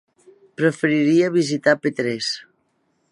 Preferiria visitar Petrés.